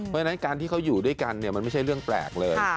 เพราะฉะนั้นการที่เขาอยู่ด้วยกันมันไม่ใช่เรื่องแปลกเลย